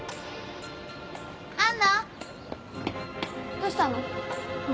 どうしたの？